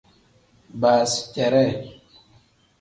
Baasiteree.